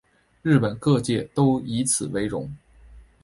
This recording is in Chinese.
日本各界都以此为荣。